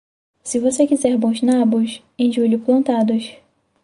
Se você quiser bons nabos, em julho plantados.